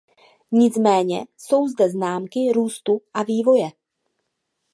Nicméně jsou zde známky růstu a vývoje.